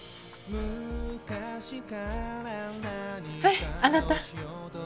はいあなた。